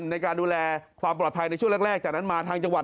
ในการดูแลความปลอดภัยในช่วงแรกจากนั้นมาทางจังหวัด